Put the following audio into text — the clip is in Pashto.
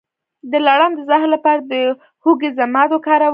د لړم د زهر لپاره د هوږې ضماد وکاروئ